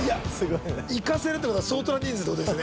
い行かせるってことは相当な人数ってことですね。